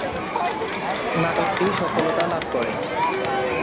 নাটকটি সফলতা লাভ করে।